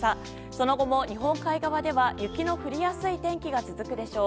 その後も日本海側では雪の降りやすい天気が続くでしょう。